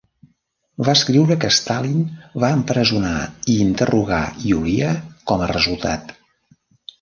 Va escriure que Stalin va empresonar i interrogar Yulia com a resultat.